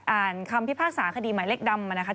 อ่านคำพิพากษาคดีหมายเลขดำมานะคะ